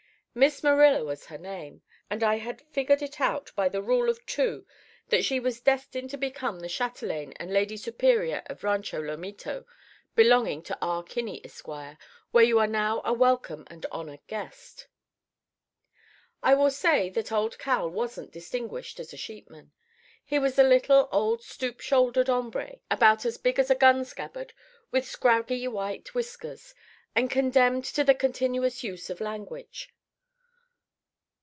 Miss Marilla was her name; and I had figured it out by the rule of two that she was destined to become the chatelaine and lady superior of Rancho Lomito, belonging to R. Kinney, Esq., where you are now a welcome and honoured guest. "I will say that old Cal wasn't distinguished as a sheepman. He was a little, old stoop shouldered hombre about as big as a gun scabbard, with scraggy white whiskers, and condemned to the continuous use of language.